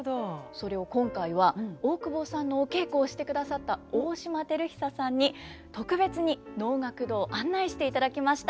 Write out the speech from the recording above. それを今回は大久保さんのお稽古をしてくださった大島輝久さんに特別に能楽堂を案内していただきました。